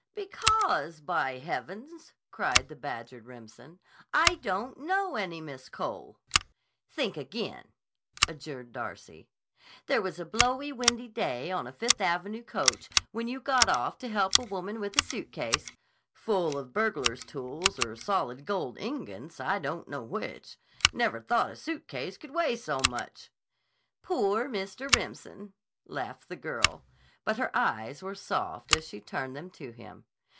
"Because, by Heavens!" cried the badgered Remsen, "I don't know any Miss Cole." "Think again," adjured Darcy. "There was a blowy, windy day on a Fifth Avenue coach when you got off to help a woman with a suitcase—" "Full of burglar's tools or solid gold ingots, I don't know which. Never thought a suitcase could weigh so much!" "Poor Mr. Remsen!" laughed the girl, but her eyes were soft as she turned them to him.